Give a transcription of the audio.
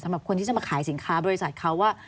สำหรับคนที่จะมาขายสินค้าบริษัทเขาว่า